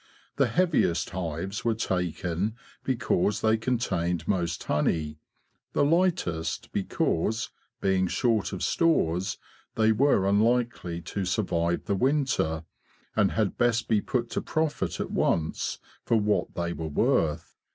The heaviest hives were taken because they contained most honey; the lightest because, being short of stores, they were unlikely to survive the winter, and had best be put to profit at once for what they were worth.